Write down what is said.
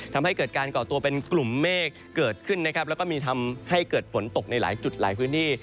ทำให้เกิดการก่อตัวเป็นกลุ่มเมฆเกิดขึ้นนะครับแล้วก็มีทำให้เกิดฝนตกในหลายจุดหลายพื้นที่